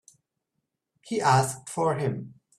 He asked for him.